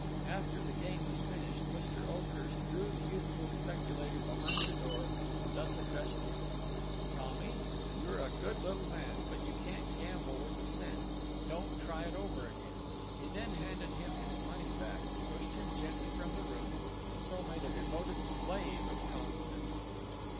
After the game was finished, Mr. Oakhurst drew the youthful speculator behind the door and thus addressed him: "Tommy, you're a good little man, but you can't gamble worth a cent. Don't try it over again." He then handed him his money back, pushed him gently from the room, and so made a devoted slave of Tom Simson.